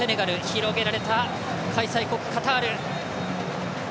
広げられた開催国カタール。